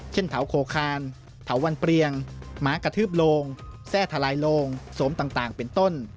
เถาโคคานเถาวันเปรียงหมากระทืบโลงแทร่ทลายโลงสวมต่างเป็นต้น